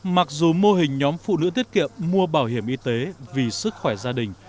mặc dù mô hình nhóm phụ nữ tiết kiệm mua bảo hiểm y tế vì sức khỏe gia đình